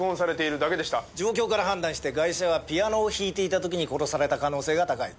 状況から判断してガイシャはピアノを弾いていた時に殺された可能性が高い。